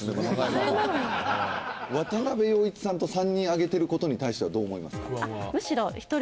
渡部陽一さんと３人上げてることに対してはどう思いますか？